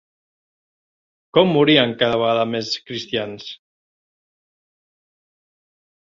Com morien cada vegada més cristians?